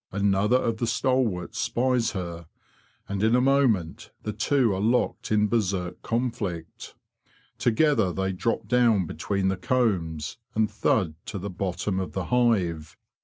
Another of the stalwarts spies her, and in a moment the two are locked in berserk conflict. Together they drop down between the combs and thud to the bottom of the hive.